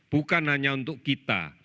bukan hanya untuk kita